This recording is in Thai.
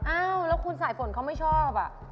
อ้าวแล้วคุณสายฝนเขาไม่ชอบ